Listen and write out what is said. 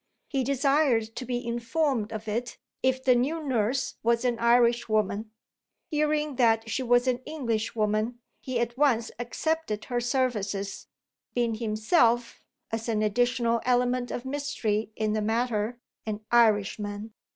He desired to be "informed of it, if the new nurse was an Irishwoman." Hearing that she was an Englishwoman, he at once accepted her services, being himself (as an additional element of mystery in the matter) an Irishman!